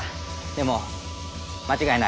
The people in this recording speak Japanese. でも間違いない。